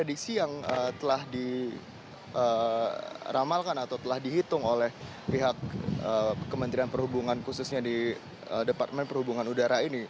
prediksi yang telah diramalkan atau telah dihitung oleh pihak kementerian perhubungan khususnya di departemen perhubungan udara ini